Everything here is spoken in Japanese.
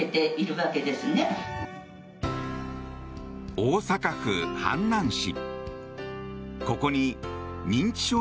大阪府阪南市。